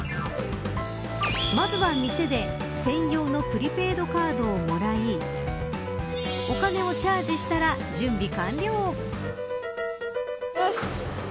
まずは店で専用のプリペイドカードをもらいお金をチャージしたら準備完了。